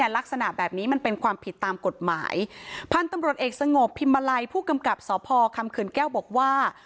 ลักษณะแบบนี้มันเป็นความผิดตามกฎหมายพันธุ์ตำรวจเอกสงบพิมมาลัยผู้กำกับสพคำเขื่อนแก้วบอกว่า